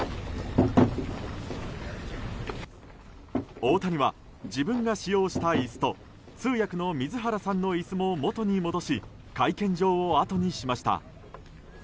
大谷は自分が使用した椅子と通訳の水原さんの椅子も元に戻し会見場をあとにしました。